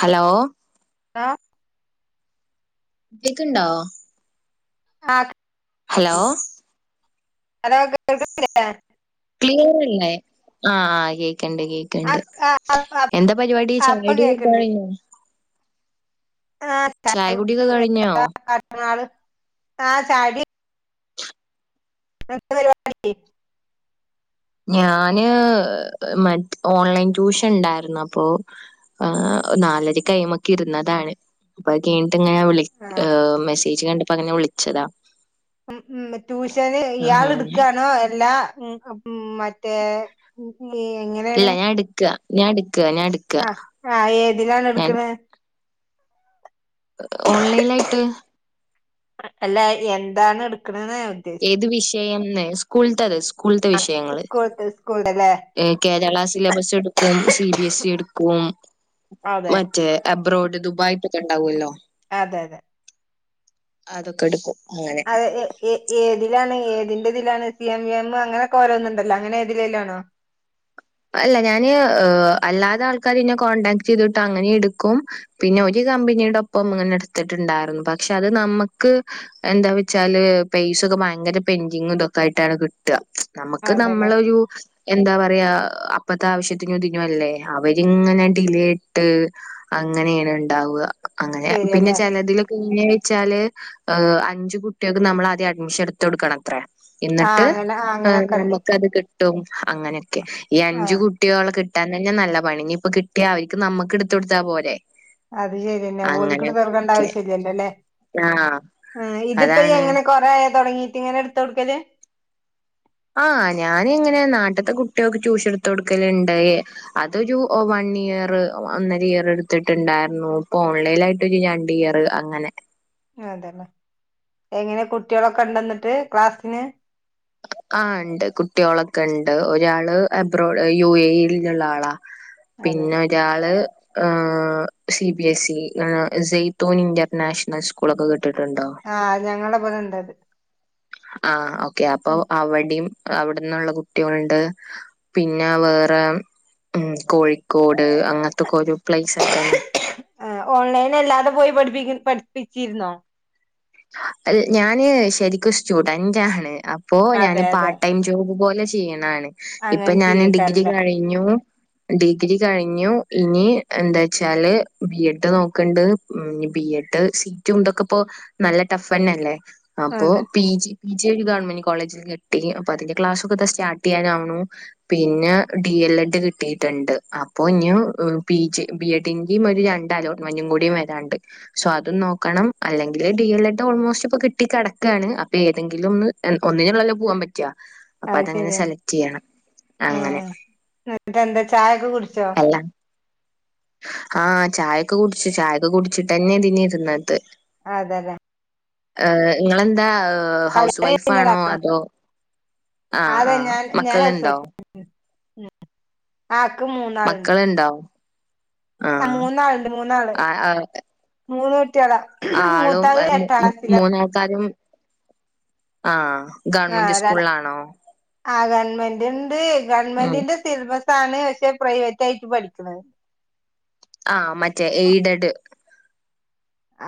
Hello ആഹ് കേക്ക്ണ്ടോ? ആഹ് ഹലോ അലോ ക് ക്ലിയറ് ഇല്ലേ ആഹ് കേക്ക്ണ്ട് ആ കേക്ക്ണ്ട്. ആ ആ എന്താ പരിപാടി ചായകുടി ഒക്കെ കഴിഞ്ഞൊ? ആഹ് ചായ കുടിയൊക്കെ കഴിഞ്ഞോ [inaudible] ആഹ് ചായുടി [unintelligible] ഞാന് മറ്റ് ഓൺലൈൻ ട്യൂഷൻ ഇണ്ടായിര്ന്ന് അപ്പൊ ആഹ് നാലരക്ക് അയ്മക്കിര്ന്നതാണ്. അപ്പത് കഴിൻട്ട്ങ്ങനെ വിളി ആ മെസ്സേജ് കണ്ടപ്പൊങ്ങനെ വിളിച്ചതാ. ഉം ഉം ട്യൂഷന് ഇയാള് അങ്ങനെ ഇട്ക്കാണോ എല്ലാ ഉം ഉം മറ്റേ [unintelligible] എങ്ങനേണ് ഞാട്ക്ക ഞാട്ക് ആഹ് ആഹ് ഏതിലാണ് ഇട്ക്ക്ണ്? ഓൺലൈലായ്ട്ട്. അല്ല എന്താണ് ഇട്ക്ക്ണ് ന്ന് ഞാ ഏത് വിഷയംന്ന് സ്കൂൾത്തത് സ്കൂൾത്തെ വിഷയങ്ങള്. സ്കൂൾത്തെ സ്കൂൾത്തെല്ലേ കേരള സിലബസ് ഇട്ക്കും. സി ബി എസ് ഇ ഇട്ക്കും അതെ മറ്റേ അബ്രോഡ് ദുബായ്തൊക്കെ ഇണ്ടാവല്ലോ അതെതെ. അതൊക്കെട്ക്കും. അത് എ ഏ ഏതിലാണ് ഏതിന്റെതിലാണ് സി എം വി എം അങ്ങനെക്കെ ഓരോന്ന് ഇണ്ടല്ലോ അങ്ങനെ ഏതിലേലാണോ? അല്ല ഞാന് അല്ലാതെ ആൾക്കാരെന്നെ കോണ്ടടാക്ട് ചെയ്തിട്ട് അങ്ങനിം എടുക്കും. പിന്നെ ഒരു കമ്പനിയുടെ ഒപ്പംങ്ങനെ എടുത്ത്ട്ട്ണ്ടായിര്ന്നു പക്ഷെ അത് നമ്മക്ക്. എന്താ വെച്ചാല് പൈസ ഒക്കെ ഭയങ്കര പെൻഡിങ് ഇതൊക്കായിട്ടാണ് കിട്ട. നമുക്ക് അതന്നെ നമ്മളൊരു എന്താ പറയാ. അപ്പത്തെ ആവശ്യത്തിനും തിനുംല്ലേ അവരിങ്ങനെ ഡിലേ ഇട്ട്. അങ്ങനേണ് ഇണ്ടാവ അങ്ങനെ പിന്നെ ശരിയല്ലേ ചെലതില് പിന്നെച്ചാല് അഞ്ചു കുട്ട്യേക്ക് നമ്മൾ ആദ്യം അഡ്മിഷൻ ഇട്ത്ത് കൊടുക്കണത്ര. ആ ഇന്നട്ട് അങ്ങനെ ആ അങ്ങനൊക്കെ ഉണ്ട് നമ്മുക്കത് കിട്ടും അങ്ങനൊക്കെ ഈ ആ അഞ്ചു കു കുട്ട്യോളെ കിട്ടാൻ തന്നെ നല്ല പണി. ഇനി ഇപ്പൊ കിട്ട്യാ അവർക്ക് നമ്മക്ക് ഇട്ത്ത് കൊടുത്താ പോരെ. അത് ശെര്യെന്നെ. ഓൽക്ക്ട്ത്തൊട്ക്കണ്ട അങ്ങനെയൊക്കെ ആവശ്യം ഇല്ലല്ലോലെ. ആഹ് ആഹ് അതാണ് ഇതിപ്പയ്യങ്ങനെ കൊറെ ആയൊ തൊട്ങ്ങീട്ട് ഇങ്ങനെട്ത്തൊട്ക്കല്? ആഹ് ഞാനിങ്ങനെ നാട്ട്ത്തെ കുട്ട്യോക്ക് ട്യൂഷൻ ഇട്ത്ത് കൊടുക്കല്ണ്ട്. അതൊരു വൺ ഇയർ ഒന്നര ഇയർ ഇട്ത്ത്ട്ട്ണ്ടായ്രുന്നു. ഇപ്പൊ ഓൺലൈൻ ആയി രണ്ട് ഇയറ് അങ്ങനെ അതെല്ലേ എങ്ങനെ കുട്ടിയളൊക്കെ ഉണ്ടൊന്നിട്ട് ക്ലാസ്സിന് ആഹ് ഇണ്ട് കുട്ട്യോളെക്കെണ്ട് ഒരാള് അബ്രോഡ് യു എ ഇ യിൽ ന്നുള്ള ആളാ അതെ പിന്നെ ഒരാള് ഏഹ് C B S E Zaitoon international സ്കൂളൊക്കെ കേട്ടിട്ടുണ്ടോ? ആഹ് ഞങ്ങളെ ഇബടെണ്ടത് ആഹ് ഓക്കെ അപ്പൊ അവടിം അവ്ടുന്നുള്ള കുട്ട്യോൾണ്ട്. പിന്നെ വേറെ ഉം കോഴിക്കോട് അങ്ങത്തൊക്കൊരു പ്ലേസ് ആയിട്ടന്നെ ആഹ് ഓൺലൈൻ അല്ലാതെ പോയി പഠിപ്പി പഠിപ്പിച്ചിര്ന്നോ? അഹ് ഞാന് ശരിക്കും സ്റ്റുഡന്റ് ആണ്. അപ്പോ അതെ ഞാന് പാ അതെ ടൈം ജോബ് പോലെ ചെയ് യ്യ്ണാണ് അങ്ങനെ ഇപ്പ ഞാന് ഡിഗ്രി ചെയ്യേക്കാരല്ലേ കഴിഞ്ഞു. ഡിഗ്രി കഴിഞ്ഞു ഇനി എന്താച്ചാല് ബി എഡ് നോക്ക്ണ്ട്. ഉം ബി എഡ് സീറ്റും ഇതൊക്കെപ്പോ നല്ല ടഫ് തന്നെല്ലേ അപ്പൊ അതെ പി ജി പി ജി ഒരു ഗവൺമെന്റ് കോളേജിൽ കിട്ടി അപ്പ അതിന്റെ ക്ലാസ്സൊക്കെ സ്റ്റാർട്ട് ചെയ്യാനാവുണു പിന്നെ ഡി എൽ എഡ് കിട്ടിയിട്ടുണ്ട് അപ്പൊ ഇനു പി ജി ബി എഡ് ട്ടിന്റെയും ഇനി ഒരു രണ്ട് അലോട്ട്മെൻറ് കൂടിയും വരാണ്ട് സൊ അതും നോക്കണം അല്ലെങ്കി ഡി എൽ എഡ് ഓൾമോസ്റ്റ് ഇപ്പ കിട്ടി കെടക്കാണ് അപ്പൊ ഏതെങ്കിലും ഒന്ന് ഒന്നിനുള്ളല്ലോ പോവാൻ പറ്റാ അപ്പൊ അത് അതങ്ങനെ ശരിയാണ് സെലക്ട് ചെയ്യണം ആ അങ്ങനെ എന്നിട്ട് എന്താ ചായൊക്കെ കുടിച്ചോ അല്ല ആഹ് ചായൊക്കെ കുടിച്ചു ചായൊക്കെ കുടിച്ചിട്ട് തന്നെ ഇതിന് ഇരുന്നത് അതലേ ഏഹ് ഇങ്ങളെന്താ ആഹ് ഏഹ് ഹൗസ് കല്യാണം വൈഫാണോ കഴിഞ്ഞതാണോ അതോ ആഹ് ആ മക്കളുണ്ടോ ഉം ഇക്ക് മൂന്നാളുണ്ട് ഇണ്ടൊ ആഹ് മൂന്നാളുണ്ട് മൂന്നാള് ആ, ആ, മൂന്ന് കുട്ട്യാളാ ആളും മൂന്നാൾക്കാരും ആഹ് ആഹ് ആ ഗവൺമെന്റിണ്ട് ഉം ഗവൺമെന്റിന്റെ സിലബസ് ആണ് പക്ഷെ പ്രൈവറ്റ് ആയിട്ട് പഠിക്ക്‌ണ് ആഹ് മറ്റേ എയ്ഡഡ്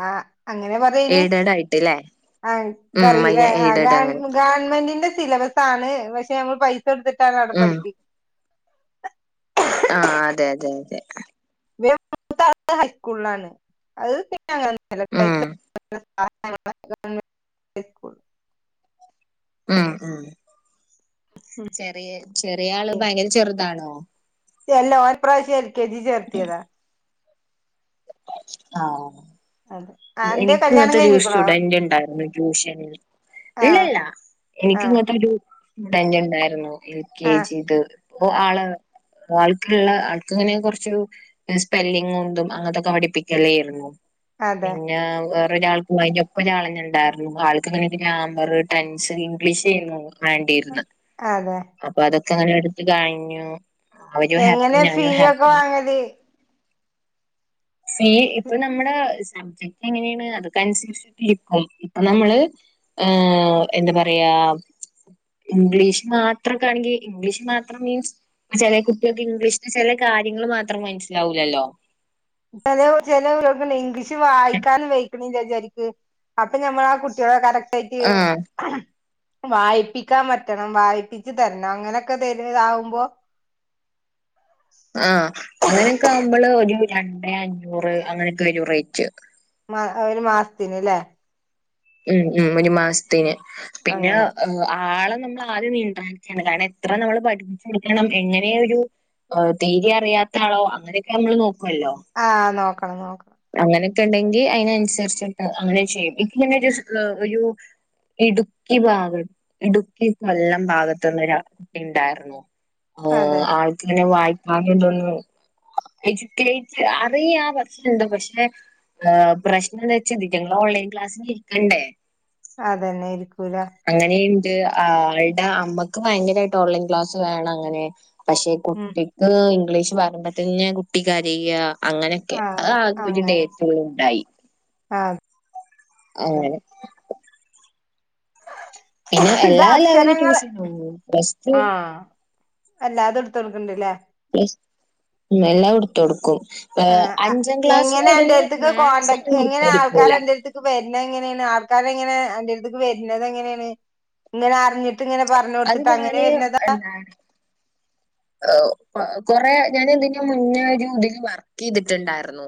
ആഹ് അങ്ങനെ പറയാ അയിന് എയ്ഡഡ് ആയിട്ട് അല്ലേ ആഹ് ഉം ഇൻക്കറീല്ല എയ്ഡഡ് അങ്ങനെ ഗവൺമെന്റിന്റെ സിലബസ് സാണ് പക്ഷെ ഞമ്മള് പൈസ കൊടുത്തിട്ടാണ് അവിടെ ഉം പഠിപ്പിക്കുന്നെ ആഹ് അതെ അതെ അതെ ഇവടുത്തെ മൂത്ത ആള് ഹൈസ്കൂളിലാണ് അത് പിന്നെങ്ങനെ ഒന്നും അല്ല പൈസ ഉം കൊടുത്തിട്ട് [unintelligible] [unintelligible] ഉം ഉം ചെറിയ ചെറിയ ആള് ഭയങ്കര ചെറുതാണോ? എല്ലാ ഓൻ ഇപ്രാവശ്യം എൽ കെ ജി ചേർത്തിയതാ ആഹ് അതെ അന്റെ എനിക്ക് കല്യാണം ഇങ്ങനത്തെ ഒരു കഴിഞ്ഞിക്കണോ സ്റ്റുഡന്റ് ഉണ്ടായിരുന്നു ട്യൂഷനില് ആ ഇല്ലല്ല എനിക്ക് ആ ഇങ്ങനെത്തൊരു സ്റ്റുഡന്റ് ഇണ്ടായിരുന്നു എൽ കെ ആ ജി ഇത് ഇപ്പൊ ആള് ആൾക്കുള്ള ആൾക്ക്ങ്ങനെ കൊറച്ച് സ്പെല്ലിങ്ങും ഇതും അങ്ങൻത്തൊക്കെ പഠിപ്പിക്കലേയിരുന്നു അതെ പിന്നെ വേറെ ഒരാൾക്ക് അയ്ന്റെപ്പം ഒരാളെന്നെണ്ടായിരുന്നു ആൾക്കിങ്ങനെ ഗ്രാമറ് ടെൻസ് ഇംഗ്ലീഷ് ആയിന്നു വേണ്ടിരുന്ന് അതെ അപ്പൊ അതൊക്കെ അങ്ങനെ എടുത്ത് കഴിഞ്ഞു അവരും ഹാപ്പി ഞാനും ഹാപ്പി അതെ ഫീ ഇപ്പൊ നമ്മുടെ സബ്ജക്ട് എങ്ങനെയാണ് അതൊക്കെ അനുസരിച്ചിട്ട് ഇരിക്കും ഇപ്പൊ നമ്മള് ഏഹ് എന്താ പറയാ ഇംഗ്ലീഷ് മാത്രകാണങ്കി ഇംഗ്ലീഷ് മാത്രം മീൻസ് ചെല കുട്ട്യാൾക്ക് ഇംഗ്ലീഷില് ചെല കാര്യങ്ങൾ മാത്രം മനസ്സിലാവൂലല്ലോ ചെല ചെല കുട്ട്യോൾക്കെന്നെ ഇംഗ്ലീഷ് വായിക്കാൻ വ ചാരിക്ക് അപ്പൊ ഞമ്മള് ആ കുട്ടികളെ കറക്റ്റായിട്ട് ആഹ് വായിപ്പിക്കാൻ പറ്റണം വായിപിച്ച് തരണം അങ്ങനെയൊക്കെ തരു ആവുമ്പോ ആഹ് അങ്ങനെയൊക്കെ ആവുമ്പള് ഒരു രണ്ടേ അഞ്ഞൂറ് അങ്ങനൊക്കെ വരും റേറ്റ് മാ ഒരു മാസത്തിന് ല്ലേ മ് മ് ഒരു മാസത്തിന് പിന്നെ അങ്ങനെ ആളെ നമ്മൾ ആദ്യം നീണ്ടാണ് കാരണം എത്ര നമ്മള് പഠിപ്പിച്ചൊടുക്കണം എങ്ങനെയൊരു തീരി അറിയാത്ത ആളോ അങ്ങനെയൊക്കെ നമ്മൾ നോക്കുല്ലോ ആഹ് നോക്കണം നോക്കണം അങ്ങനൊക്കെ ഇണ്ടെങ്കി അയിന് അനുസരിച്ചിട്ട് അങ്ങനെ ചെയ്യും ഇങ്ക് ഒരു ഒരു ഇടുക്കി ഭാഗം ഇടുക്കി കൊല്ലം ഭാഗത്തൊന്ന് ര ഇണ്ടാർന്നു ആ അതെ ആൾക്ക്ങ്ങനെ വായ്ക്കാൻത് ഒന്നും എഡ്യൂക്കേറ്റ് അറിയാ ണ്ട് പക്ഷെ പ്രശ്നം എന്താച്ച ഇതിറ്റങ്ങൾ ഓൺലൈൻ ക്ലാസ്സിന് ഇരിക്കണ്ടേ അതന്നെ ആയിരിക്കൂലേ അങ്ങനീണ്ട് ആ ആളുടെ അമ്മക്ക് ഭയങ്കരായിട്ട് ഓൺലൈൻ ക്ലാസ് വേണം അങ്ങനെ പക്ഷെ ഉം കുട്ടിക്ക് ഇംഗ്ലീഷ് പറയുമ്പോത്തന്നെ കുട്ടിക്കരയാ അങ്ങനെ ആ ആകെ പി അങ്ങനെ ഡേറ്റളും ഇണ്ടായി ആ ഏ അതെ പിന്നെ എന്താ എല്ലാ ലെവലും അക്ഷരങ്ങള് ട്യൂഷനും പ്ലസ് ടു ആ അല്ലാതെ ഇട്ത്ത് കൊടുക്ക്ണ്ട്ല്ലേ എല്ലാ കൊടുത്തോടുക്കും ആ എങ്ങനെ അന്റെടുത്തേക്ക് മാത്സ് കോണ്ടാക്ട് അങ്ങനെ എടുത്ത് എങ്ങനെ ആൾക്കാര് കൊടുക്കൂല. അന്റെ എടു വരുന്നത് എങ്ങനെയാണ് ആൾക്കാർ എങ്ങനെയ അന്റെ എടുത്ത്ക്ക് വര്ണത് എങ്ങനെയാണ് ഇങ്ങനെ അറിഞ്ഞിട്ട് ട്ട് ഇങ്ങനെ പറഞ്ഞ് അത് കൊടുത്തിട്ട് അങ്ങനെ ഞാന് വര്ണതാ കൊറെ ഞാൻ ഇതിന്റെ മുന്നേ ഒരു ഇതിൽ വർക്ക് ചെയ്തിട്ടുണ്ടാർന്നു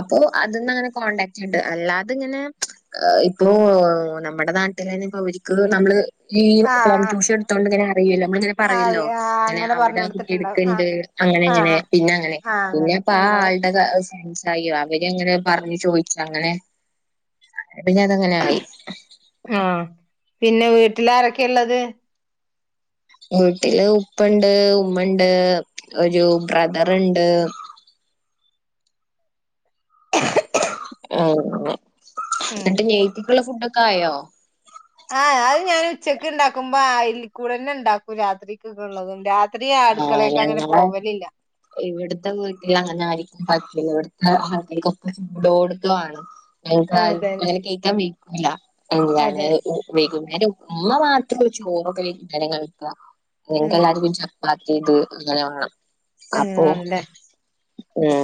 അപ്പോ അതിന്നങ്ങനെ കോണ്ടടാക്റ്റ്ണ്ട് അല്ലാതെ ഇങ്ങനെ ഇപ്പോ നമ്മുടെ നാട്ടിലന്നെ ഇപ്പൊ ഓര്ക്ക് നമ്മള് ഈ ഹോം ആഹ് ട്യൂഷൻ ഇടുത്തോണ്ട് ഇങ്ങനെ അറിയല്ലോ നമ്മളിങ്ങനെ ആഹ് പറയല്ലോ ആഹ് ഇങ്ങനെ അങ്ങനെ അവിടെ പറഞ്ഞു കൊടുത്തിട്ടുണ്ടാവും ഇടുക്കണ്ട് ആഹ് അങ്ങനെങ്ങനെ ആഹ് പിന്നെ അങ്ങനെ ആഹ് അങ്ങനെ പിന്നെപ്പ ആ അങ്ങനെ ആ സംസായി അവര്ങ്ങനെ പറഞ്ഞ് ചോയിച് അങ്ങനെ പിന്നെ അതങ്ങനെ ആയി ആഹ് പിന്നെ വീട്ടില ആരൊക്കെ ഇള്ളത് വീട്ടില് ഉപ്പണ്ട് ഉമ്മണ്ട് ഒരു ബ്രദർണ്ട് ആ ഉം എന്നിട്ട് നൈറ്റ്‌ക്കുള്ള ഫുഡൊക്കെ ആയോ? ആ ആഹ് ഞാൻ ഉച്ചക്ക് ഇണ്ടാക്കുമ്പോ അയിൽകൂടെന്നെ ഇണ്ടാക്കും രാത്രിക്കക്ക്ള്ളതും രാ ത്രി ആടുക്കളെക്ക് അങ്ങനെ പോവലില്ല ഇവിടത്തെ വീട്ടിൽ അങ്ങനെ ആരിക്കും പറ്റില്ല ഇവിടുത്തെ ആൾക്കാര്ക്ക് ഒക്കെ ചൂടോട്ക്കെ വാണം അതെല്ലേ [unintelligible] കേക്കാൻ വൈക്കൂല എന്താണ് അതെ വൈകുന്നേരം ഉമ്മ മാത്രം ഒള്ളു ചോറ് കഴിക്കൽ കണക്കാ ഞങ്ങൾക്ക് ആഹ് എല്ലാർക്കും ചപ്പാത്തി പ്പാത്തിത് അങ്ങനെ വാണം അപ്പൊ അങ്ങനെയാണല്ലേ മ്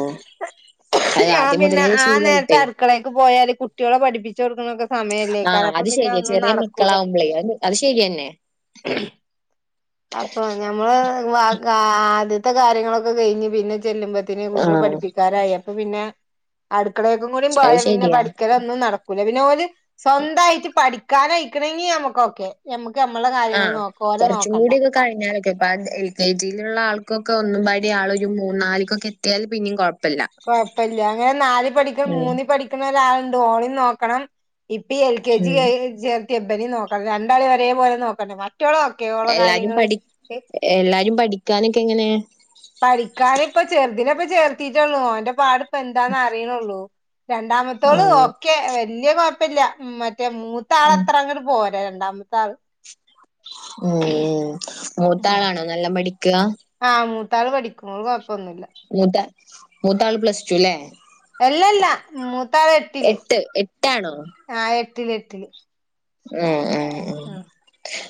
ഞാൻ പിന്നെ ആ നേരത്ത് ശീലായിട്ടേ അടുക്കളേക്ക് പോയാല് കുട്ടികളെ പഠിപ്പിച്ച് കൊടുക്കണൊക്കെ ആഹ് സമയല്ലേക്കാരം അപ്പൊ അത് പിന്നെ ശരിയാ ഒന്നും ചെറിയ നടക്കൂല മക്കളാവുമ്പളേ അത് അത് ശരിയന്നെ അപ്പൊ ഞമ്മള് വ കാ ആദ്യത്തെ കാര്യങ്ങളൊക്കെ കഴിഞ്ഞ് പിന്നെ ചെല്ലുമ്പോ പിന്നെ കൂട്ടിനെ ആഹ് പഠിപ്പിക്കാരായിപ്പ പിന്നെ അടുക്കളക്കും കൂടി പോയ അത് പിന്നെ ശരിയാ പഠിക്ക ഒന്നും നടക്കൂല പിന്നെ ഓല് സ്വന്തായിട്ട് പഠിക്കാനഴിക്കണങ്കി നമ്മുക്കൊക്കെ. ഞമ്മക്ക് നമ്മളെ കാര്യങ്ങൾ ആഹ് നോക്ക ഓലെ കുറച്ചും നോക്കണ്ട. കൂടിയൊക്കെ കഴിഞ്ഞാലൊക്കെ അപ്പ എൽ കെ ജിയിലുള്ള ആൾക്കൊക്കെ ഒന്നും പാടി ആൾ ഒരു മൂന്ന നാലിക്കൊക്കെ എത്തിയാൽ പിന്നും കുഴപ്പ കൊഴപ്പല്ല അങ്ങനെ നാല് പഠിക്ക ഉം മൂന്ന പഠിക്കണ ഒരാളുണ്ട് ഒളി നോക്കണം. ഇപ്പഈ എൽ കെ ജി ഉം ചേർത്തിയ ഇബനി നോക്കണ്ട രണ്ടാളി വരേ പോലെ നോക്കണ്ടേ മറ്റോളോ ഒക്കെ എല്ലാരും പഠി എല്ലാരും പഠിക്കാനൊക്കെ എങ്ങനെ? പഠിക്കാന ഇപ്പൊ ചെറുതെപ്പ ചേർത്തിട്ടുള്ളൂ അവന്റെ പാടി ഇപ്പ എന്താന്ന് അറിയണള്ളൂ. രണ്ടാമത്തോള് ആഹ് ഒക്കെ വല്യ കുഴപ്പില്ല മറ്റേ മൂത്ത ഉം ആള്ത്രെ അങ്ങോട്ട് പോര ഏഹ് രണ്ടാമത്തെ ആള് ഉം ഉം മൂത്താളാണോ നല്ല പഠിക്ക? ആഹ് മൂത്താൾ പഠിക്കു ഓള് കുഴപ്പമൊന്നുല്ല. മൂത്ത മൂത്താള് പ്ലസ് ടു അല്ലേ? അല്ലല്ല മൂത്താറ എട്ടില് എട്ട് എട്ടാണോ ആ എട്ടില് ഏഹ് ഏഹ് ആഹ്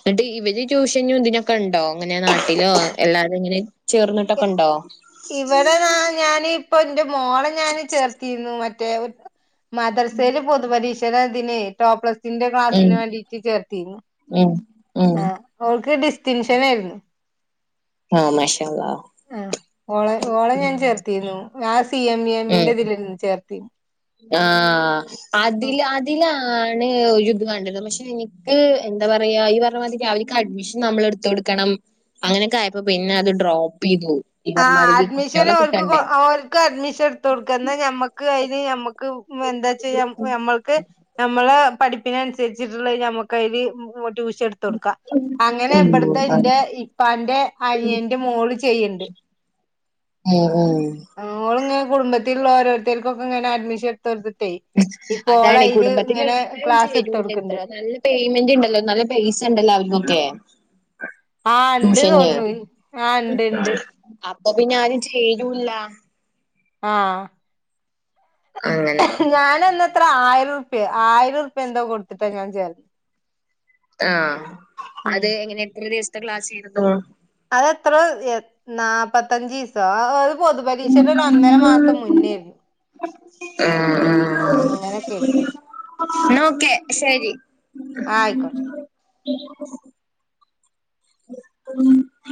എന്നിട്ട് ഇവര് ട്യൂഷനും ഇതിനൊക്കെ ഉണ്ടോ അങ്ങനെ നാട്ടിലോ എല്ലാവരും ഇങ്ങനെ ചേർന്നിട്ടൊക്കെ ഉണ്ടോ? ഇവിടെ താ ഞാന് ഇപ്പൊ ഇന്റെ മോളെ ഞാന് ചേർത്തിരുന്നു മറ്റേ മദ്രസേൽ പൊതുപരീക്ഷടെ തിനെ ടോപ്ലസിന്റെ ഉം ക്ലാസ്സിന് വേണ്ടിട്ട് ചേർത്തീനി ഉം ഉം ഏഹ് ഓൾക്ക് ഡിസ്റ്റിംഗ്‌ഷനേരുന്നു ആഹ് മാഷാ അല്ലാഹ് ആഹ് ഓളെ ഓളെ ഞാൻ ചേർത്തീന്നു ആ സി എം വി ഉം എംന്റെ ഇതിലന്ന് ചേർത്തീന് ആഹ് അതില് അതിലാ ആണ് ഒരു ഇത് വേണ്ടത് പക്ഷെ എനിക്ക് എന്താ പറയാ ഈ പറഞ്ഞ മതി അവനിക്ക് അഡ്മിഷൻ നമ്മളെടു ത്തടുക്കണം അങ്ങനെയൊക്കെ ആയപ്പോ പിന്നെ അത് ഡ്രോപ്പ് ചെയ്തു ഈ പറഞ്ഞ ആഹ് മാതിരി അഡ്മിഷൻ കുട്ടികളെ ഓല്ക്ക് കിട്ടണ്ടേ? ഓല്ക്ക് അഡ്മിഷൻ എടുത്ത കൊടുക്ക എന്നാ ഞമ്മക്ക് അയിന് ഞമ്മ ക്ക് എന്താ ചെയ്യാ നമ്മൾക്ക് നമ്മള പഠി പ്പിന് അനുസരിച്ചിട്ടുള്ളത് ഞമ്മക്കയ്ല് ഉം ടൂഷൻ ഇടുത്ത് കൊടുക്കാം അങ്ങനെ ഉം ഇബിടത്തെ ഇന്റെ ഇപ്പാന്റെ അനിയന്റെ മോള് ചെയ്യ്ണ്ട്. ഉം ഉം ഓള് ഇങ്ങനെ കുടുംബത്തിലുള്ള ഓരോരുത്തർക്കൊക്കെ ഇങ്ങനെ അഡ്മിഷൻ ഇട്ത്തോട്ത്തിട്ടെ ഇപ്പോ അതാണ് ഓളയ്ല് ഇങ്ങനെ കുടുംബത്തിലുള്ളവരും ക്ലാസ് ഇട്ത്ത് ചേരൂല ഇത്ര കൊടുക്ക്ണ്ട്. നല്ല പേയ്മെന്റ് ഇണ്ടല്ലോ നല്ല പൈസ ഇണ്ടല്ലോ അവരിക്കൊക്കെ ആഹ് ഇണ്ട് തൊന്നുന്നു ആഹ് ഇണ്ട് ഇണ്ട് അപ്പൊ പിന്നെ ആരും ചെരും ല്ലാ ആഹ് അങ്ങനെ ഞാൻന്നത്ര ആയിരംറുപ്യ ആയിരം റുപ്യാ എന്തോ കൊടുത്തിട്ടാ ഞാൻ ചേർന്നെ ആഹ് ഉം അത് എങ്ങനെ എത്ര ദിവസത്തെ ക്ലാസ്സേരുന്നു അതെത്രോ ഏഹ് നാപ്പത്തഞ്ചിസോ ഒരു പൊതുപരീക്ഷയുടെ ഒരു ഒന്നര മാസം മുന്നേരുന്നു ആഹ് ആഹ് അങ്ങനൊക്കെയായിരുന്നു ന്നാ ഒക്കെ ശരി ആയിക്കോ [inaudible]